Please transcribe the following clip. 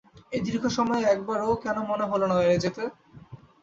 এই দীর্ঘ সময়ে একবারও কেন মনে হল না বাইরে যেতে?